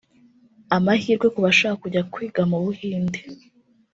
Amahirwe ku bashaka kujya kwiga mu Buhinde